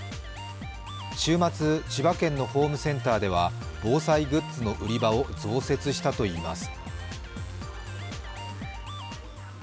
週末、千葉県のホームセンターでは防災グッズの売り場を増設したといいます。